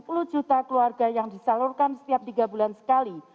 sepuluh juta keluarga yang disalurkan setiap tiga bulan sekali